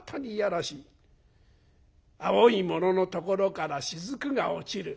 青いもののところから雫が落ちる。